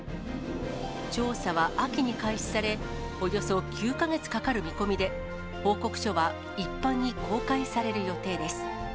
調査は秋に開始され、およそ９か月かかる見込みで、報告書は一般に公開される予定です。